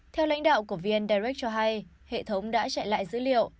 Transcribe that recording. theo lãnh đạo của vn direct cho hay hệ thống đã chạy lại dữ liệu